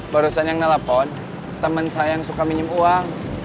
barusan yang telepon temen saya yang suka minum uang